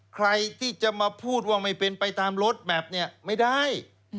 ใครที่จะมาพูดว่าไม่เป็นไปตามรถแมพเนี่ยไม่ได้